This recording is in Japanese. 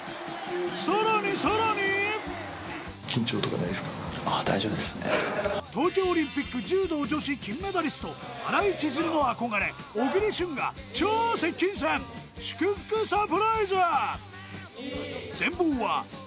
更に更に東京オリンピック柔道女子金メダリスト新井千鶴の憧れ小栗旬が超接近戦全貌は今夜７時！